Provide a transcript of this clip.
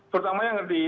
terutama yang di tiranjau